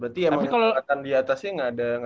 berarti emang yang keempatan diatasnya gak ada